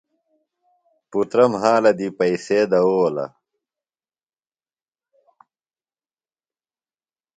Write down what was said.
پُترہ مھالہ دی پیئسے دؤولہ۔